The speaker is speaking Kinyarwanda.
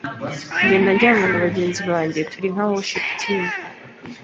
ngenda njyanye na bagenzi banjye turi nka worship team